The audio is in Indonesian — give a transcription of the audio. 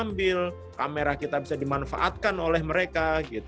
kamera kita bisa diambil kamera kita bisa dimanfaatkan oleh mereka